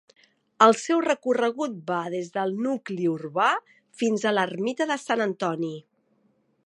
El seu recorregut va des del nucli urbà fins a l'ermita de Sant Antoni.